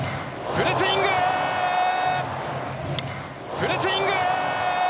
フルスイング！